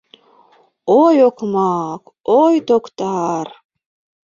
Ой, окмак, ой, токтар...